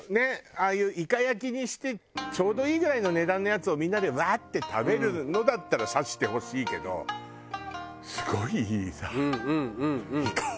ああいうイカ焼きにしてちょうどいいぐらいの値段のやつをみんなでワーッて食べるのだったら刺してほしいけどすごいいいさイカを。